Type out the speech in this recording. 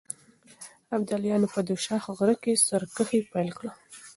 ابداليانو په دوشاخ غره کې سرکښي پيل کړه.